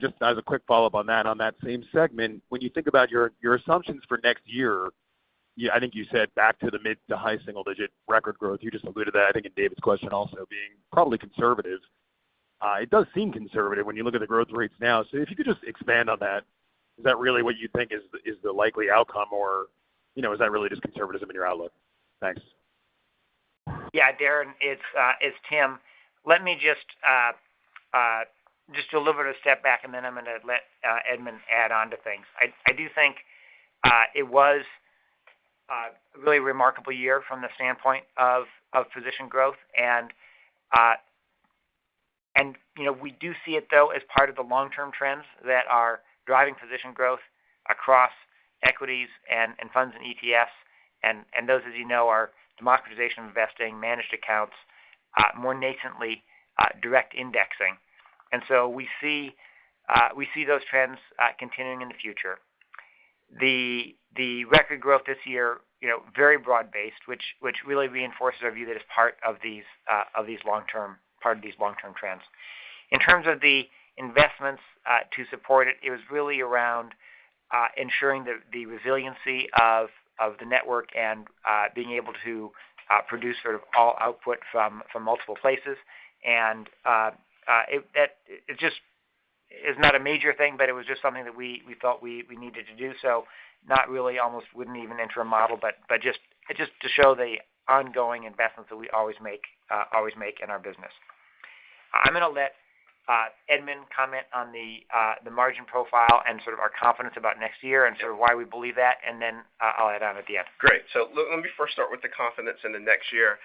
Just as a quick follow-up on that, on that same segment, when you think about your assumptions for next year, I think you said back to the mid to high single-digit record growth. You just alluded to that, I think in David's question also being probably conservative. It does seem conservative when you look at the growth rates now. If you could just expand on that. Is that really what you think is the likely outcome or is that really just conservatism in your outlook? Thanks. Yeah, Darrin, it's Tim Gokey. Let me just do a little bit of step back, and then I'm going to let Edmund Reese add on to things. I do think it was a really remarkable year from the standpoint of position growth. We do see it, though, as part of the long-term trends that are driving position growth across equities and funds and ETFs. Those, as you know, are democratization of investing, managed accounts, more nascently direct indexing. We see those trends continuing in the future. The record growth this year, very broad-based, which really reinforces our view that it's part of these long-term trends. In terms of the investments to support it was really around ensuring the resiliency of the network and being able to produce sort of all output from multiple places. It just is not a major thing, but it was just something that we felt we needed to do. Not really, almost wouldn't even enter a model, but just to show the ongoing investments that we always make in our business. I'm going to let Edmund comment on the margin profile and sort of our confidence about next year and sort of why we believe that, and then I'll add on at the end. Great. Let me first start with the confidence in the next year,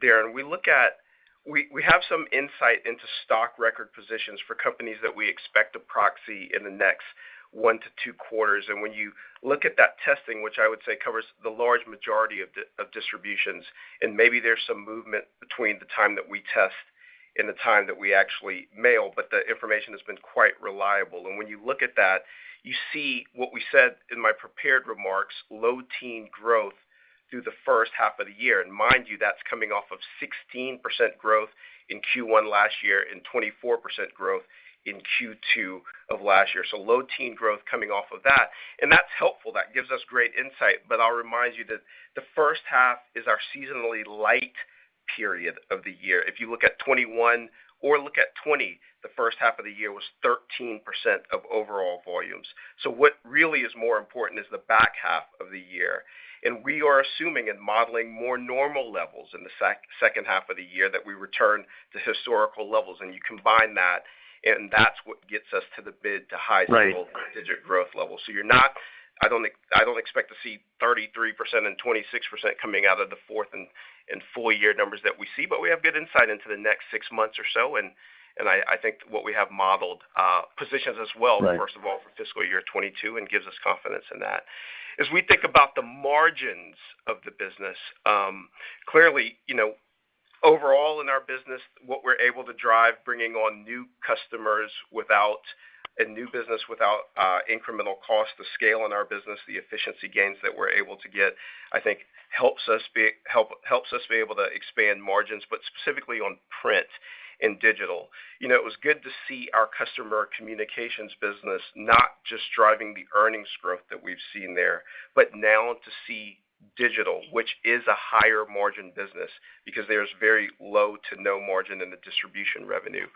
Darrin. We have some insight into stock record positions for companies that we expect to proxy in the next one to two quarters. When you look at that testing, which I would say covers the large majority of distributions, and maybe there's some movement between the time that we test and the time that we actually mail, but the information has been quite reliable. When you look at that, you see what we said in my prepared remarks, low teen growth through the first half of the year. Mind you, that's coming off of 16% growth in Q1 last year and 24% growth in Q2 of last year. Low teen growth coming off of that. That's helpful. That gives us great insight. I'll remind you that the first half is our seasonally light period of the year. If you look at 2021 or look at 2020, the first half of the year was 13% of overall volumes. What really is more important is the back half of the year. We are assuming and modeling more normal levels in the second half of the year that we return to historical levels, and you combine that, and that's what gets us to the mid to high single. Right. Digit growth levels. I don't expect to see 33% and 26% coming out of the fourth and full-year numbers that we see, we have good insight into the next six months or so. I think what we have modeled positions as well. Right. First of all, for fiscal year 2022 and gives us confidence in that. As we think about the margins of the business, clearly, overall in our business, what we're able to drive, bringing on new customers and new business without incremental cost to scale in our business, the efficiency gains that we're able to get, I think helps us be able to expand margins. Specifically on print and digital. It was good to see our customer communications business not just driving the earnings growth that we've seen there, but now to see digital, which is a higher margin business, because there's very low to no margin in the distribution revenue,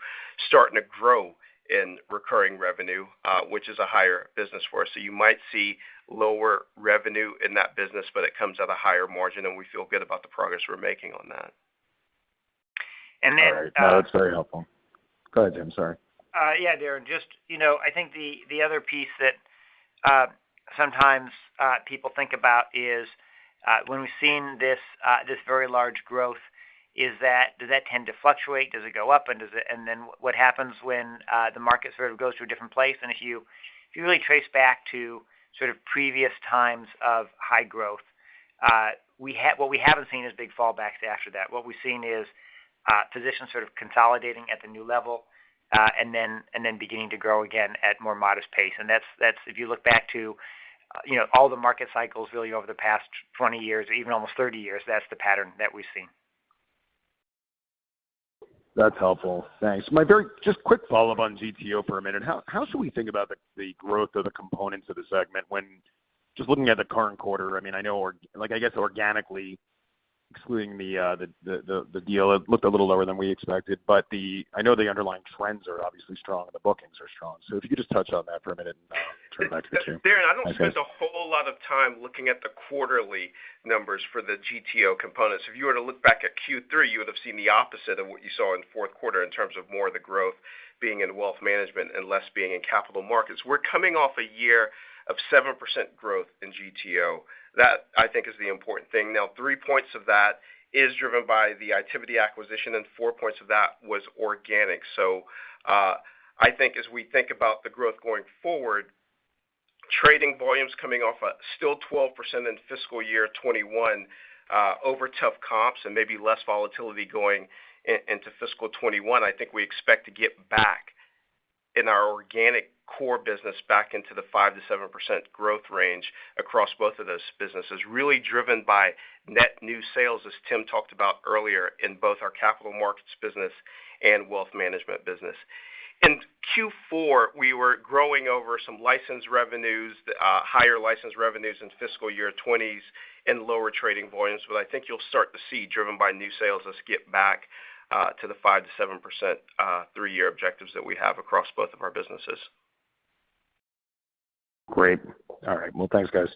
starting to grow in recurring revenue, which is a higher business for us. You might see lower revenue in that business, but it comes at a higher margin, and we feel good about the progress we're making on that. And then. All right. No, it's very helpful. Go ahead, Tim. Sorry. Darrin. I think the other piece that sometimes people think about is when we've seen this very large growth, does that tend to fluctuate? Does it go up? What happens when the market sort of goes to a different place? If you really trace back to sort of previous times of high growth, what we haven't seen is big fallbacks after that. What we've seen is positions sort of consolidating at the new level, and then beginning to grow again at more modest pace. If you look back to all the market cycles really over the past 20 years, even almost 30 years, that's the pattern that we've seen. That's helpful. Thanks. Just a quick follow-up on GTO for a minute. How should we think about the growth of the components of the segment when just looking at the current quarter? I guess organically excluding the deal, it looked a little lower than we expected, but I know the underlying trends are obviously strong and the bookings are strong. If you could just touch on that for a minute and turn it back to Tim. Darrin, I don't spend a whole lot of time looking at the quarterly numbers for the GTO components. If you were to look back at Q3, you would've seen the opposite of what you saw in the fourth quarter in terms of more of the growth being in wealth management and less being in capital markets. We're coming off a year of 7% growth in GTO. That, I think, is the important thing. 3 points of that is driven by the Itiviti acquisition, and 4 points of that was organic. I think as we think about the growth going forward, trading volumes coming off at still 12% in fiscal year 2021, over tough comps and maybe less volatility going into fiscal 2021. I think we expect to get back in our organic core business back into the 5%-7% growth range across both of those businesses. Really driven by net new sales, as Tim talked about earlier, in both our capital markets business and wealth management business. In Q4, we were growing over some higher license revenues in fiscal year 2020 and lower trading volumes. I think you'll start to see, driven by new sales, us get back to the 5%-7% three-year objectives that we have across both of our businesses. Great. All right. Well, thanks, guys.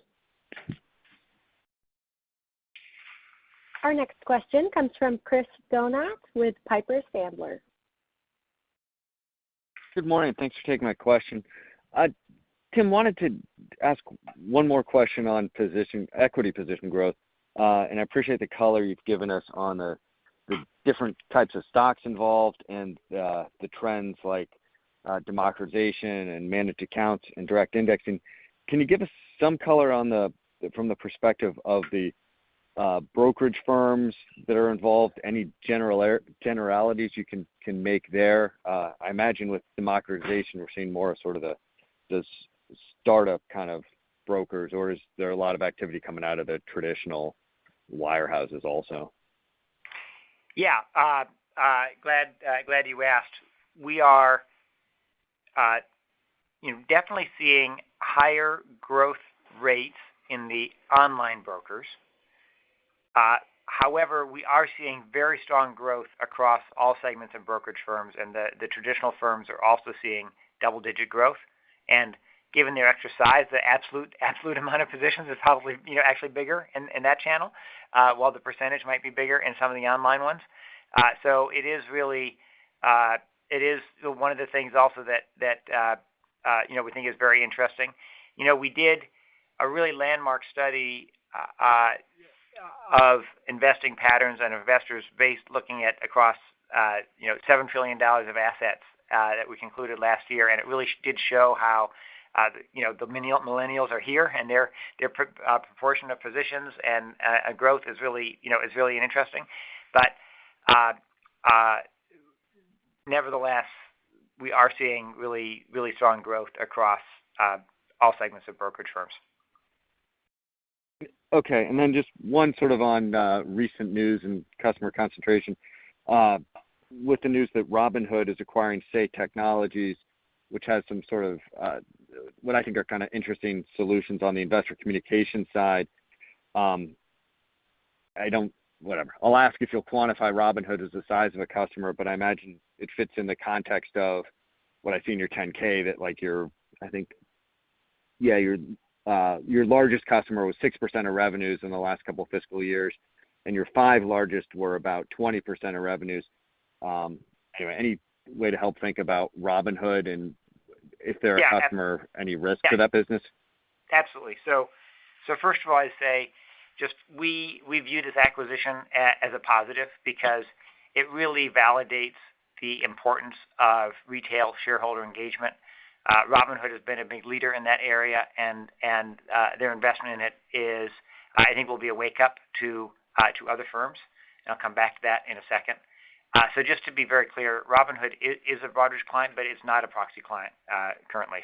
Our next question comes from Chris Donat with Piper Sandler. Good morning. Thanks for taking my question. Tim, wanted to ask one more question on equity position growth. I appreciate the color you've given us on the different types of stocks involved and the trends like democratization and managed accounts and direct indexing. Can you give us some color from the perspective of the brokerage firms that are involved? Any generalities you can make there? I imagine with democratization, we're seeing more sort of the startup kind of brokers, or is there a lot of activity coming out of the traditional wirehouses also? Yeah. Glad you asked. We are definitely seeing higher growth rates in the online brokers. However, we are seeing very strong growth across all segments of brokerage firms. The traditional firms are also seeing double-digit growth. Given their exercise, the absolute amount of positions is probably actually bigger in that channel, while the percentage might be bigger in some of the online ones. It is one of the things also that we think is very interesting. We did a really landmark study of investing patterns on investors based looking at across $7 trillion of assets that we concluded last year. It really did show how the millennials are here, and their proportion of positions and growth is really interesting. Nevertheless, we are seeing really strong growth across all segments of brokerage firms. Just one sort of on recent news and customer concentration. With the news that Robinhood is acquiring Say Technologies, which has some sort of what I think are kind of interesting solutions on the investor communication side. Whatever. I'll ask if you'll quantify Robinhood as the size of a customer, but I imagine it fits in the context of what I see in your 10-K, that I think, yeah, your largest customer was 6% of revenues in the last couple of fiscal years, and your five largest were about 20% of revenues. Anyway, any way to help think about Robinhood and if they're a customer, any risk to that business? Absolutely. First of all, I'd say we view this acquisition as a positive because it really validates the importance of retail shareholder engagement. Robinhood has been a big leader in that area, and their investment in it is I think will be a wake-up to other firms, and I'll come back to that in a second. Just to be very clear, Robinhood is a Broadridge client, but it is not a proxy client currently.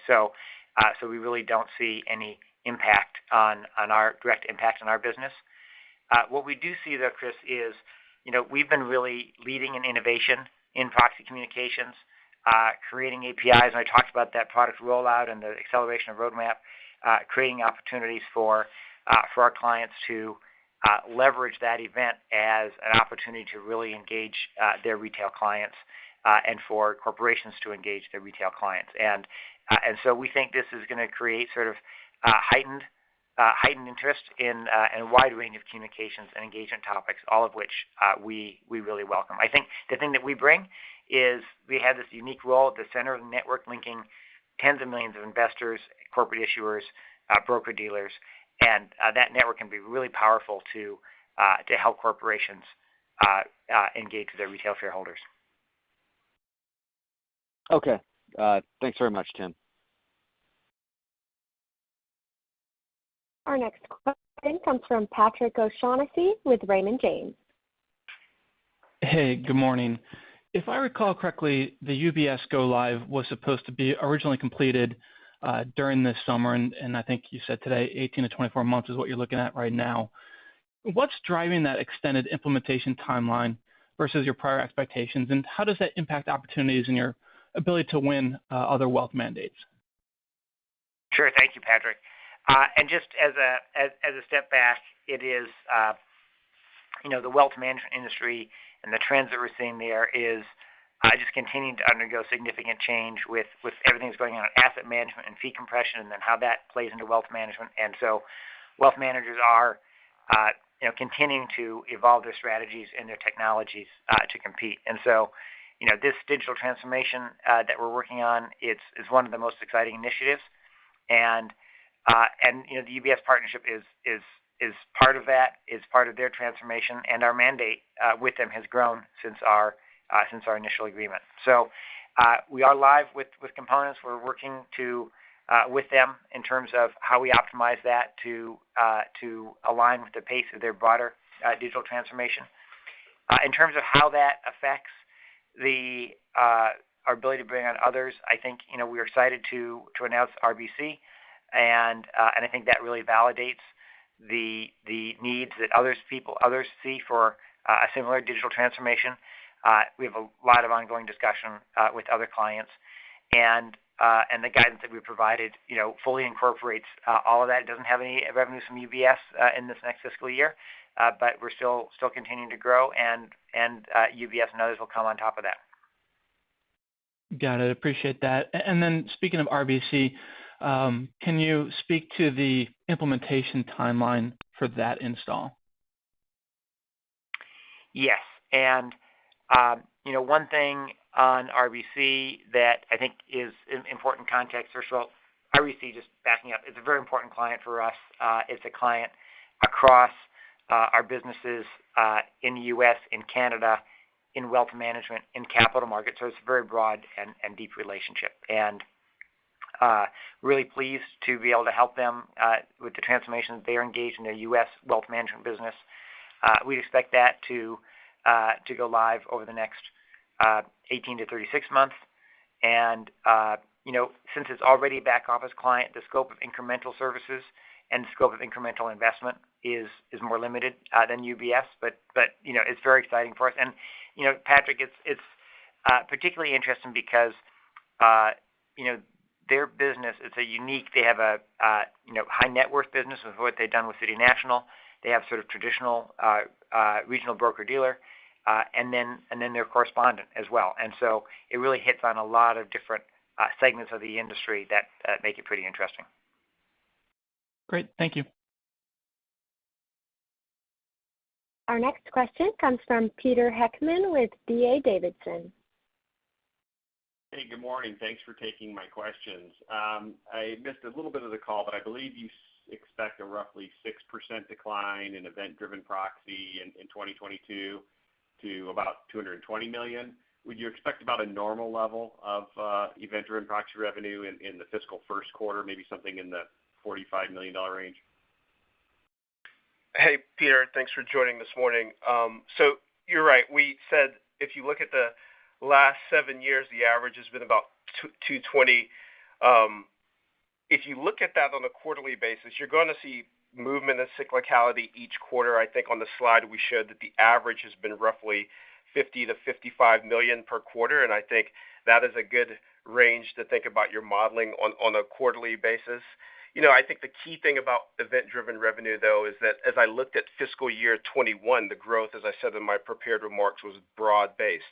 We really don't see any direct impact on our business. What we do see though, Chris, is we've been really leading in innovation in proxy communications, creating APIs, and I talked about that product rollout and the acceleration of roadmap, creating opportunities for our clients to leverage that event as an opportunity to really engage their retail clients, and for corporations to engage their retail clients. We think this is going to create sort of a heightened interest in a wide range of communications and engagement topics, all of which we really welcome. I think the thing that we bring is we have this unique role at the center of the network, linking tens of millions of investors, corporate issuers, broker-dealers, and that network can be really powerful to help corporations engage their retail shareholders. Okay. Thanks very much, Tim. Our next question comes from Patrick O'Shaughnessy with Raymond James. Hey, good morning. If I recall correctly, the UBS go live was supposed to be originally completed during the summer, and I think you said today 18 months-24 months is what you're looking at right now. What's driving that extended implementation timeline versus your prior expectations, and how does that impact opportunities and your ability to win other wealth mandates? Sure. Thank you, Patrick. Just as a step back, it is the wealth management industry and the trends that we're seeing there is just continuing to undergo significant change with everything that's going on in asset management and fee compression, how that plays into wealth management. Wealth managers are continuing to evolve their strategies and their technologies to compete. This digital transformation that we're working on is one of the most exciting initiatives. The UBS partnership is part of that, is part of their transformation, and our mandate with them has grown since our initial agreement. We are live with components. We're working with them in terms of how we optimize that to align with the pace of their broader digital transformation. In terms of how that affects our ability to bring on others, I think, we are excited to announce RBC, and I think that really validates the needs that others see for a similar digital transformation. We have a lot of ongoing discussion with other clients, and the guidance that we've provided fully incorporates all of that. It doesn't have any revenues from UBS in this next fiscal year, but we're still continuing to grow and UBS and others will come on top of that. Got it. Appreciate that. Speaking of RBC, can you speak to the implementation timeline for that install? Yes. One thing on RBC that I think is important context, first of all, RBC, just backing up, is a very important client for us. It's a client across our businesses, in the U.S., in Canada, in wealth management, in capital markets. It's a very broad and deep relationship. Really pleased to be able to help them with the transformation that they are engaged in their U.S. wealth management business. We expect that to go live over the next 18 months-6 months. Since it's already a back office client, the scope of incremental services and the scope of incremental investment is more limited than UBS. It's very exciting for us. Patrick, it's particularly interesting because their business is unique. They have a high net worth business with what they've done with City National. They have sort of traditional regional broker-dealer, and then their correspondent as well. It really hits on a lot of different segments of the industry that make it pretty interesting. Great. Thank you. Our next question comes from Peter Heckmann with D.A. Davidson. Hey, good morning. Thanks for taking my questions. I missed a little bit of the call, I believe you expect a roughly 6% decline in event-driven proxy in 2022 to about $220 million. Would you expect about a normal level of event-driven proxy revenue in the fiscal first quarter, maybe something in the $45 million range? Hey, Peter, thanks for joining this morning. You're right. We said if you look at the last seven years, the average has been about $220 million. If you look at that on a quarterly basis, you're going to see movement and cyclicality each quarter. I think on the slide we showed that the average has been roughly $50 million-$55 million per quarter, and I think that is a good range to think about your modeling on a quarterly basis. I think the key thing about event-driven revenue, though, is that as I looked at fiscal year 2021, the growth, as I said in my prepared remarks, was broad-based.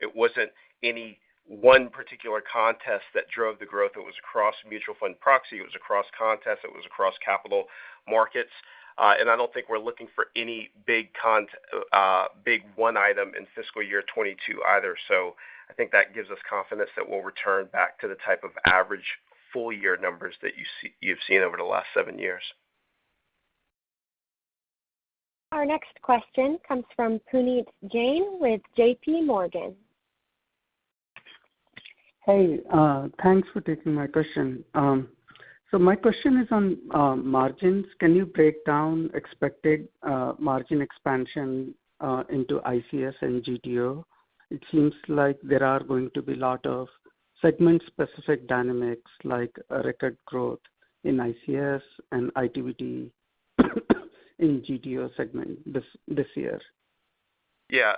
It wasn't any one particular contest that drove the growth. It was across mutual fund proxy, it was across contests, it was across capital markets. I don't think we're looking for any big one item in fiscal year 2022 either. I think that gives us confidence that we'll return back to the type of average full year numbers that you've seen over the last seven years. Our next question comes from Puneet Jain with JPMorgan. Hey, thanks for taking my question. My question is on margins. Can you break down expected margin expansion into ICS and GTO? It seems like there are going to be Segment specific dynamics like record growth in ICS and Itiviti in GTO segment this year. Yeah.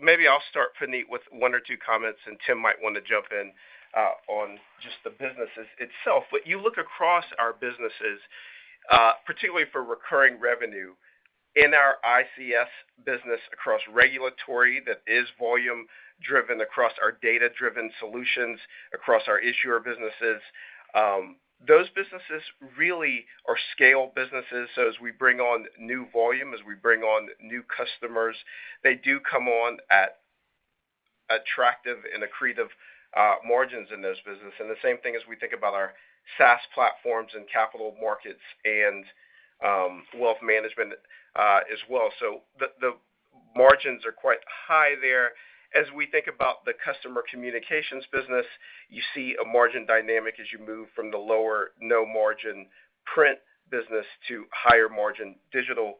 Maybe I'll start, Puneet, with one or two comments, and Tim might want to jump in on just the businesses itself. You look across our businesses, particularly for recurring revenue in our ICS business, across regulatory that is volume driven, across our data-driven solutions, across our issuer businesses. Those businesses really are scale businesses. As we bring on new volume, as we bring on new customers, they do come on at attractive and accretive margins in those business. The same thing as we think about our SaaS platforms and capital markets and wealth management as well. The margins are quite high there. As we think about the customer communications business, you see a margin dynamic as you move from the lower, no margin print business to higher margin digital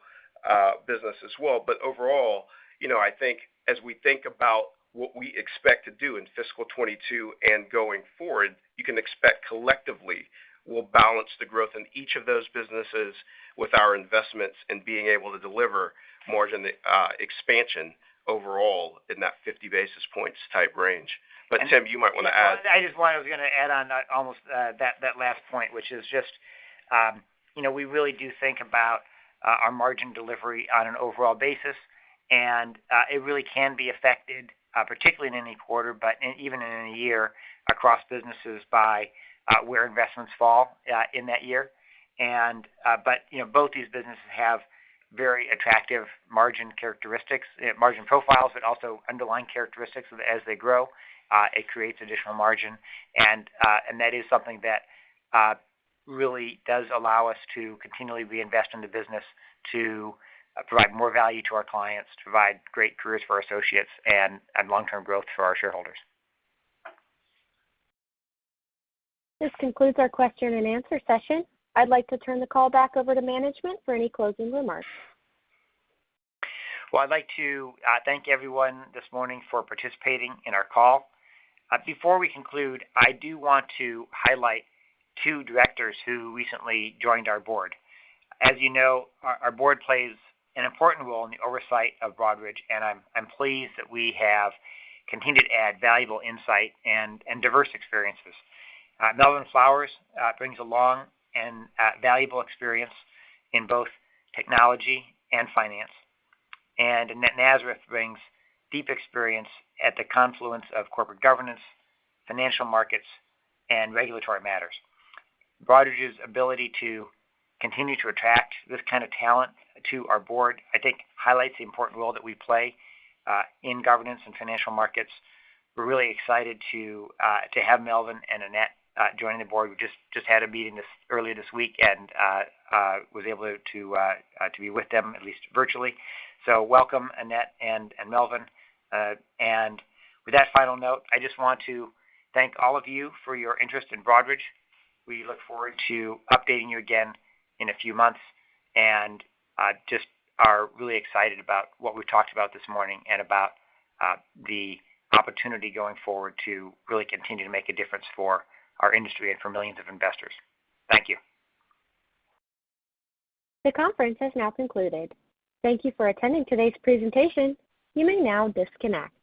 business as well. Overall, I think as we think about what we expect to do in fiscal 2022 and going forward, you can expect collectively we'll balance the growth in each of those businesses with our investments in being able to deliver margin expansion overall in that 50 basis points type range. Tim, you might want to add. I just was going to add on almost that last point, which is just we really do think about our margin delivery on an overall basis, and it really can be affected, particularly in any quarter, but even in a year across businesses by where investments fall in that year. Both these businesses have very attractive margin characteristics, margin profiles, but also underlying characteristics as they grow. It creates additional margin, and that is something that really does allow us to continually reinvest in the business to provide more value to our clients, to provide great careers for our associates, and long-term growth for our shareholders. This concludes our question and answer session. I'd like to turn the call back over to management for any closing remarks. I'd like to thank everyone this morning for participating in our call. Before we conclude, I do want to highlight two directors who recently joined our board. As you know, our board plays an important role in the oversight of Broadridge, and I'm pleased that we have continued to add valuable insight and diverse experiences. Melvin Flowers brings along a valuable experience in both technology and finance, and Annette Nazareth brings deep experience at the confluence of corporate governance, financial markets, and regulatory matters. Broadridge's ability to continue to attract this kind of talent to our board, I think, highlights the important role that we play in governance and financial markets. We're really excited to have Melvin and Annette joining the board. We just had a meeting earlier this week, and was able to be with them at least virtually. Welcome, Annette and Melvin. With that final note, I just want to thank all of you for your interest in Broadridge. We look forward to updating you again in a few months, and just are really excited about what we've talked about this morning and about the opportunity going forward to really continue to make a difference for our industry and for millions of investors. Thank you. The conference has now concluded. Thank you for attending today's presentation. You may now disconnect.